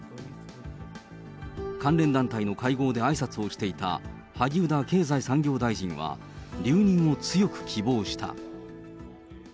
関連団体の会合であいさつをしていた萩生田経済産業大臣は、留任を強く希望した。